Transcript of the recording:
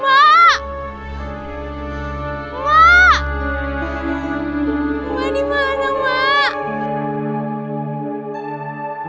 emak dimana emak